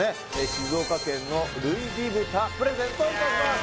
静岡県のルイビ豚プレゼントいたします